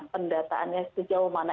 pendataannya sejauh mana